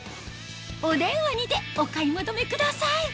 お電話にてお買い求めください